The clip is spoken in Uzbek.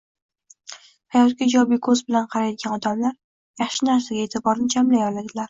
Hayotga ijobiy ko‘z bilan qaraydigan odamlar yaxshi narsaga e’tiborni jamlay oladilar.